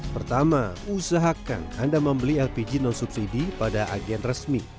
pertama usahakan anda membeli lpg non subsidi pada agen resmi